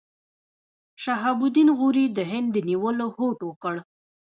شهاب الدین غوري د هند د نیولو هوډ وکړ.